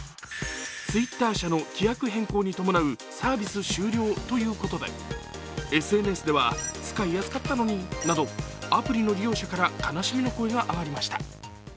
Ｔｗｉｔｔｅｒ社の規約変更に伴うサービス終了ということで、ＳＮＳでは、アプリの利用者から悲しみの声が上がりました。